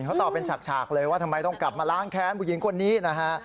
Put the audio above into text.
เค้าตอบเป็นฉับฉากเลยว่าทำไมต้องกลับมาล้างแท้นปุฏินคนนี้นะคะ